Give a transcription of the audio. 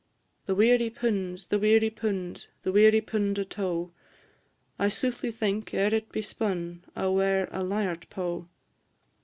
The weary pund, the weary pund, the weary pund o' tow, I soothly think, ere it be spun, I 'll wear a lyart pow.